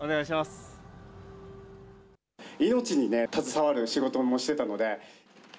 命に携わる仕事もしてたので。